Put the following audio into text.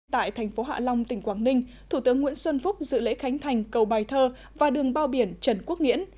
tại thành phố hạ long tỉnh quảng ninh thủ tướng nguyễn xuân phúc dự lễ khánh thành cầu bài thơ và đường bao biển trần quốc nghĩễn